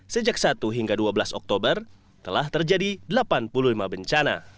sejak satu hingga dua belas oktober telah terjadi delapan puluh lima bencana